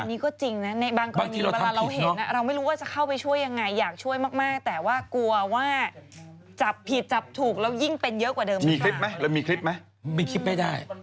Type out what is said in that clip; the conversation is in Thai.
บางครั้งนี้บางเราเห็นอ่ะเราไม่รู้ว่าจะเข้าไปช่วยยังไง